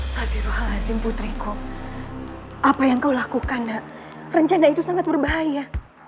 tapi roh al haslim putriku apa yang kau lakukan nak rencana itu sangat berbahaya